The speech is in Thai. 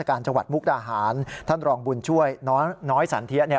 รัชกาลจังหวัดมุกดาหารท่านรองบุญช่วยน้อยสันเทียนี่